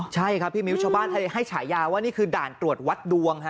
ใช่ครับพี่มิ้วชาวบ้านให้ฉายาว่านี่คือด่านตรวจวัดดวงฮะ